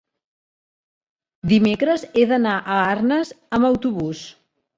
dimecres he d'anar a Arnes amb autobús.